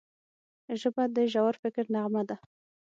ژبه د ژور فکر نغمه ده